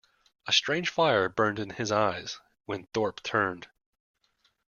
A strange fire burned in his eyes when Thorpe turned.